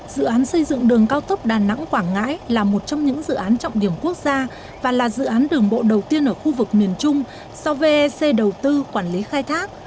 dự án xây dựng đường cao tốc đà nẵng quảng ngãi là một trong những dự án trọng điểm quốc gia và là dự án đường bộ đầu tiên ở khu vực miền trung do vec đầu tư quản lý khai thác